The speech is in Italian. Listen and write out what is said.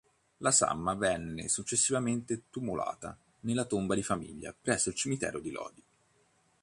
La salma venne successivamente tumulata nella tomba di famiglia presso il cimitero di Lodi.